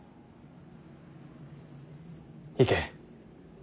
行け。